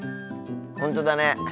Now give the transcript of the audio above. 本当だね。